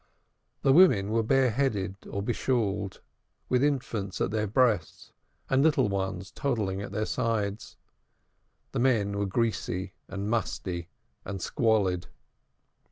The women were bare headed or be shawled, with infants at their breasts and little ones toddling at their sides, the men were greasy, and musty, and squalid.